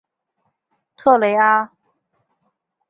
特雷阿。